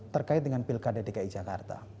terkait dengan pilkada dki jakarta